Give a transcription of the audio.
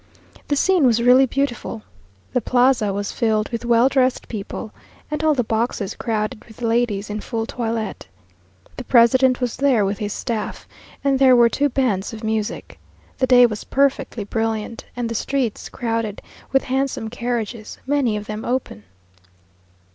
The scene was really beautiful. The plaza was filled with well dressed people, and all the boxes crowded with ladies in full toilet. The president was there with his staff, and there were two bands of music. The day was perfectly brilliant, and the streets crowded with handsome carriages, many of them open.